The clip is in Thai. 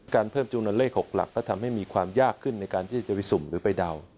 เพิ่มจำนวนเลข๖หลักก็ทำให้มีความยากขึ้นในการที่จะไปสุ่มหรือไปเดา